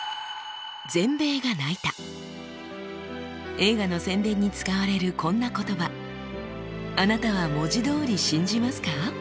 映画の宣伝に使われるこんな言葉あなたは文字どおり信じますか？